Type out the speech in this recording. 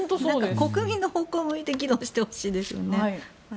国民の方向を向いて議論してほしいですよね。